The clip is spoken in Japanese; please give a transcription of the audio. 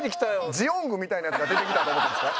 ジオングみたいなヤツが出てきたと思ったんですか？